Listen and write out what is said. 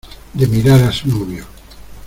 de mirar a su novio.